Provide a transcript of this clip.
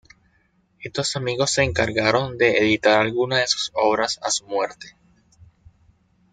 Estos amigos se encargaron de editar algunas de sus obras a su muerte.